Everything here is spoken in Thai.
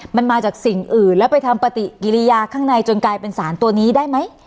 มันมาจากสิ่งอื่นแล้วไปทำปฏิกิริยาข้างในจนกลายเป็นสารตัวนี้ได้ไหม